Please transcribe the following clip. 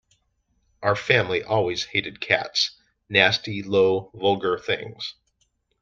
Our family always hated cats: nasty, low, vulgar things!